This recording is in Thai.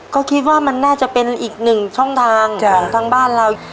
ก็คิดว่ามันน่าจะเป็นอีกหนึ่งช่องทางของทั้งบ้านเรา